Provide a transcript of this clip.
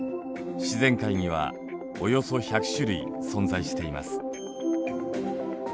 自然界にはおよそ１００種類存在しています。